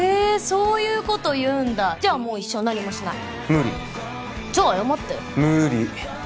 そういうこと言うんだじゃあもう一生何もしない無理じゃあ謝って無理！